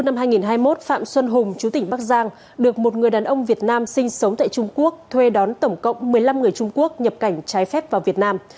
năm hai nghìn hai mươi một phạm xuân hùng chú tỉnh bắc giang được một người đàn ông việt nam sinh sống tại trung quốc thuê đón tổng cộng một mươi năm người trung quốc nhập cảnh trái phép vào việt nam